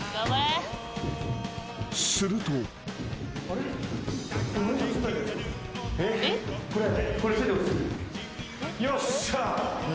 ［すると］よっしゃ。